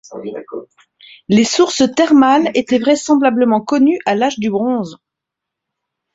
Les sources thermales étaient vraisemblalement connues à l'âge du bronze.